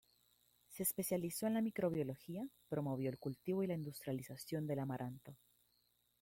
Se especializó en la microbiología, promovió el cultivo y la industrialización del amaranto.